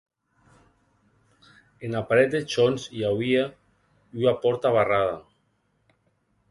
Ena paret deth hons i auie ua pòrta barrada.